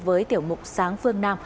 với tiểu mục sáng phương nam